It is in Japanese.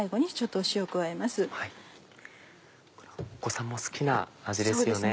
お子さんも好きな味ですよね。